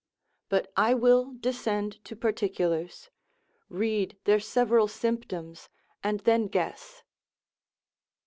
But I will descend to particulars: read their several symptoms and then guess.